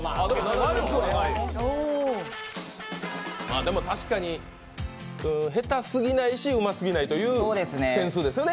でも確かに、下手すぎないしうますぎないという点数ですね。